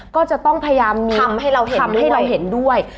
ก็จะต้องพยายามทำให้เราเห็นด้วย